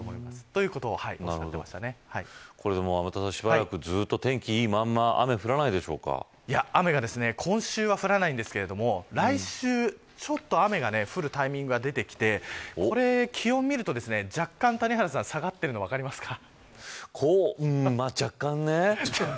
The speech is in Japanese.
ということをしばらくずっと天気がいいまま雨が、今週は降らないんですが来週、ちょっと雨が降るタイミングが出てきて気温を見ると、若干、谷原さん下がっているのが分かりますか。